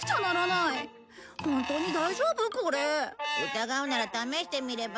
疑うなら試してみれば？